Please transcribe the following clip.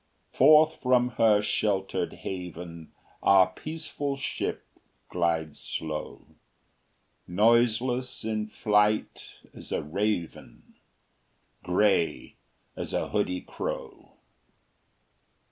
Forth from her sheltered haven Our peaceful ship glides slow, Noiseless in flight as a raven, Gray as a hoodie crow.